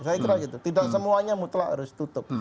saya kira gitu tidak semuanya mutlak harus tutup